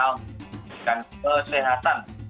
untuk menjaga kesehatan